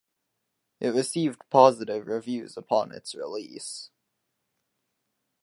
It received positive reviews upon its release.